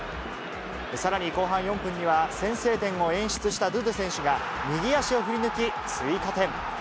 さらに後半４分には、先制点を演出したドゥドゥ選手が、右足を振り抜き追加点。